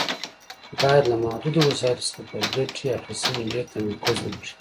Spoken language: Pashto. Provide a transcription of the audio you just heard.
باید له محدودو وسایلو څخه پر ګټې اخیستنې ډېر تمرکز وکړي.